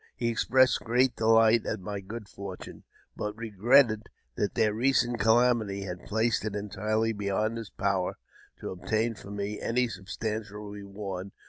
He ex pressed great delight at my good fortune, but regretted that, their recent calamity had placed it entirely beyond his power to obtain for me any substantial reward.